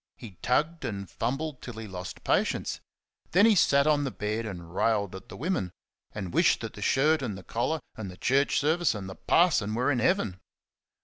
He tugged and fumbled till he lost patience; then he sat on the bed and railed at the women, and wished that the shirt and the collar, and the church service and the parson, were in Heaven.